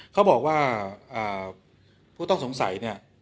เขาบอกว่าผู้ต้องสงสัย